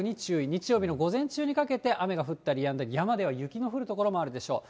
日曜日の午前中にかけて、雨が降ったりやんだり、山では雪の降る所もあるでしょう。